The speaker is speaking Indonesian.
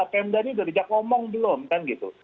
pemda ini sudah dijak ngomong belum kan gitu